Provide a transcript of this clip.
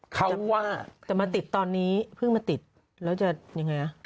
เขาว่าจะมาติดตอนนี้เพิ่งมาติดแล้วจะยังไง